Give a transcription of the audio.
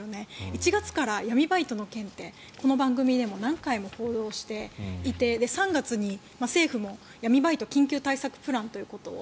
１月から闇バイトの件ってこの番組でも何回も報道していて３月に政府も闇バイト緊急対策プランということを